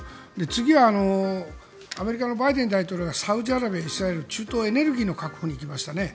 次はアメリカのバイデン大統領がサウジアラビア、イスラエル中東エネルギーの確保に行きましたね。